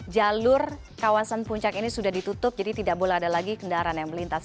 jalur kawasan puncak ini sudah ditutup jadi tidak boleh ada lagi kendaraan yang melintas